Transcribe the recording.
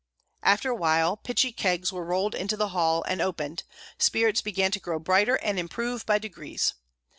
After a while pitchy kegs were rolled into the hall and opened. Spirits began to grow brighter and improve by degrees.